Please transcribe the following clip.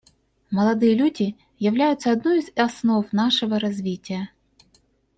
Молодые люди являются одной из основ нашего развития.